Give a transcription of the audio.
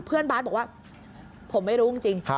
เพื่อนบ๊าซบอกว่าผมไม่รู้จริง